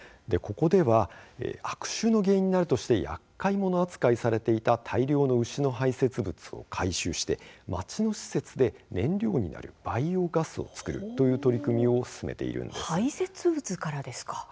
ここでは悪臭の原因になるとしてやっかい物扱いされていた大量の牛の排せつ物を回収して町の施設で燃料になるバイオガスを作る取り組みを進めているんです。